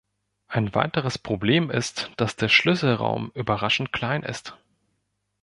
Ein weiteres Problem ist, dass der Schlüsselraum überraschend klein ist.